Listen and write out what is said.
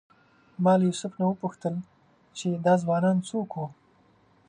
ما له یوسف نه وپوښتل چې دا ځوانان څوک وو.